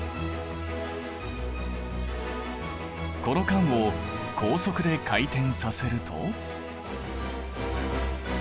この缶を高速で回転させると。